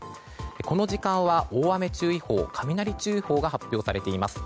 この時間は大雨注意報雷注意報が発表されています。